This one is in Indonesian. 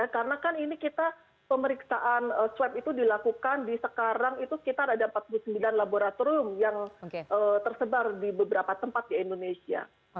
karena kan ini kita pemeriksaan swab itu dilakukan di sekarang itu sekitar ada empat puluh sembilan laboratorium yang tersebar di beberapa tempat di indonesia